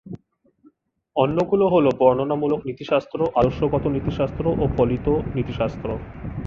অন্যগুলো হল বর্ণনামূলক নীতিশাস্ত্র, আদর্শগত নীতিশাস্ত্র ও ফলিত নীতিশাস্ত্র।